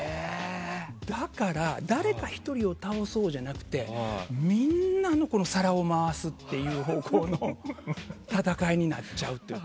だから、誰か１人を倒そうじゃなくてみんなの皿を回すという方向の戦いになっちゃうというか。